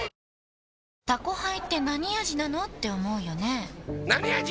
「タコハイ」ってなに味なのーって思うよねなに味？